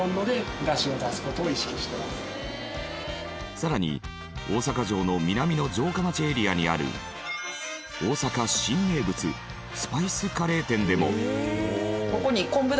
更に大阪城の南の城下町エリアにある大阪新名物スパイスカレー店でも。